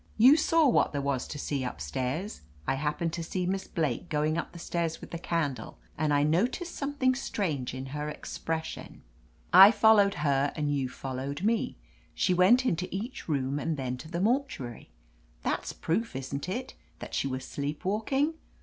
"You saw what there was to see up stairs. I happened to see Miss Blake going up the stairs with the candle, and I no ticed something strange in her expression. I 84 I to «1 OF LETITIA CARBERRY followed her and you followed me. She went into each room and then to the mortuary. That's proof, isn't it, that she was sleep walk ing?